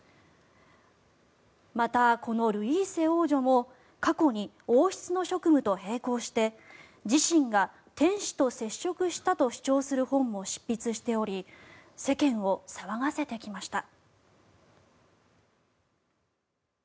また、このルイーセ王女も過去に王室の職務と並行して自身が天使と接触したと主張する本を執筆しており世間を騒がせてきました。